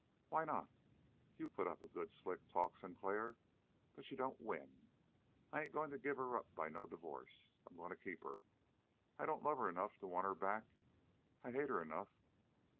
"Why not? You put up a good slick talk, Sinclair. But you don't win. I ain't going to give her up by no divorce. I'm going to keep her. I don't love her enough to want her back, I hate her enough.